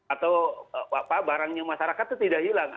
atau barangnya masyarakat itu tidak hilang